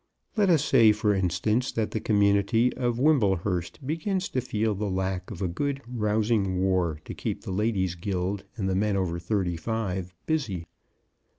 Let us say, for instance, that the community of Wimblehurst begins to feel the lack of a good, rousing war to keep the Ladies' Guild and the men over thirty five busy.